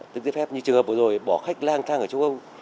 tước giấy phép như trường hợp vừa rồi bỏ khách lang thang ở chung không